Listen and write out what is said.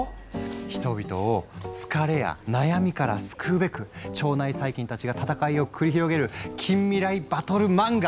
人々を疲れや悩みから救うべく腸内細菌たちが戦いを繰り広げる近未来バトル漫画！